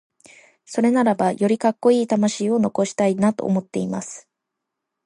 それならば、よりカッコイイ魂を残したいなと思っています。